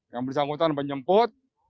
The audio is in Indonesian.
yang bersambutan menjemput